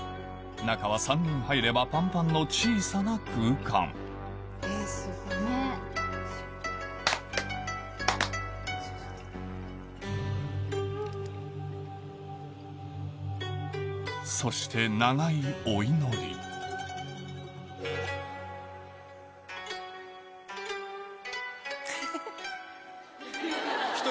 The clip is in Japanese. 中は３人入ればパンパンの小さな空間そして長いお祈り１人